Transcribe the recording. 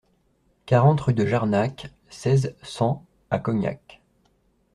quarante rue de Jarnac, seize, cent à Cognac